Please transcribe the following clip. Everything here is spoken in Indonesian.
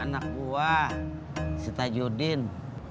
anak buah si tajudin